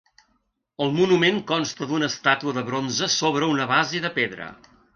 El monument consta d'una estàtua de bronze sobre una base de pedra.